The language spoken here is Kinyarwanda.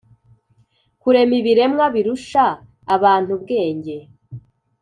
kurema ibiremwa birusha abantu ubwenge